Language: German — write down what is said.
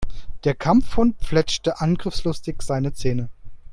Der Kampfhund fletschte angriffslustig seine Zähne.